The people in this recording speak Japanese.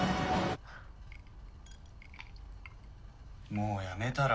もうやめたら？